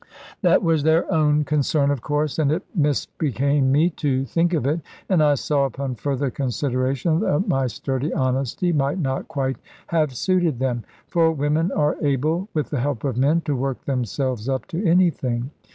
That was their own concern, of course; and it misbecame me to think of it; and I saw, upon further consideration, that my sturdy honesty might not quite have suited them. For women are able, with the help of men, to work themselves up to anything.